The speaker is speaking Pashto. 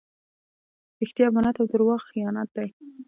رښتیا امانت او درواغ خیانت دئ.